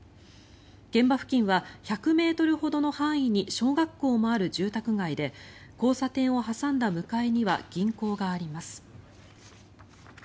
現場付近は１００ｍほどの範囲に小学校もある住宅街で交差点を挟んだ向かいには銀行があります。